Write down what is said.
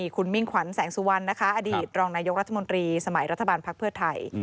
คุณมิ่งขวัญสสุวรรณอดีตรองโนยุกรรธมรีสมัยรัฐบาลภักดิ์เพิ่อไทย